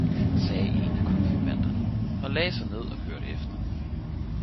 sagde en af konfirmanderne, og lagde sig ned og hørte efter.